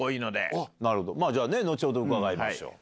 じゃあ後ほど伺いましょう。